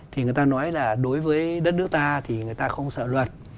thì người ta nói là đối với đất nước ta thì người ta không sợ luật